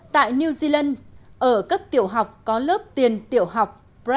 tại new zealand ở cấp tiểu học có lớp tiền tiểu học